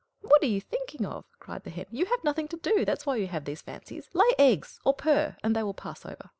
"What are you thinking of?" cried the Hen. "You have nothing to do, that's why you have these fancies. Lay eggs, or purr, and they will pass over."